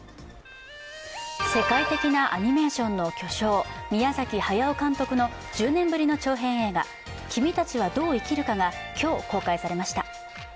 世界的なアニメーションの巨匠、宮崎駿監督の１０年ぶりの長編映画「君たちはどう生きるか」が今日公開されました。